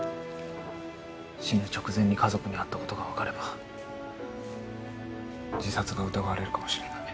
死ぬ直前に家族に会ったことが分かれば自殺が疑われるかもしれない